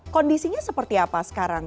kondisinya seperti apa sekarang